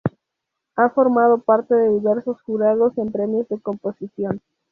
Ha formado parte de diversos jurados en premios de composición.